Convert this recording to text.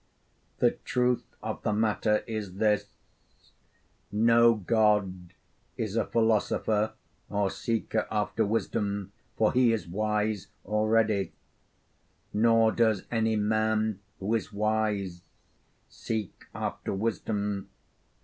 The truth of the matter is this: No god is a philosopher or seeker after wisdom, for he is wise already; nor does any man who is wise seek after wisdom.